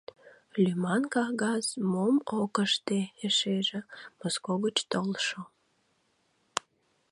Лӱман кагаз мом ок ыште, эшеже — Моско гыч толшо.